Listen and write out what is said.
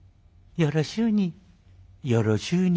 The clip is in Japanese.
よろしゅうに。